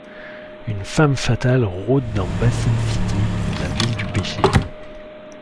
Une femme fatale rode dans Basin City, la ville du péché...